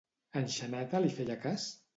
En Xaneta li feia cas?